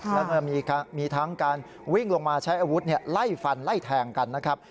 แล้วก็มีทั้งการวิ่งลงมาใช้อาวุธไล่ฟันไล่แทงกันนะครับ